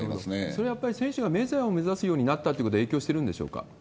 それはやっぱり、選手がメジャーを目指すようになったということが、影響してるんでしょうか？